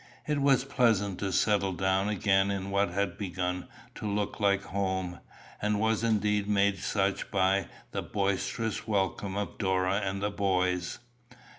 It was pleasant to settle down again in what had begun to look like home, and was indeed made such by the boisterous welcome of Dora and the boys.